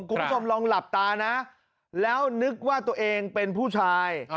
คุณผู้ชมลองหลับตานะแล้วนึกว่าตัวเองเป็นผู้ชาย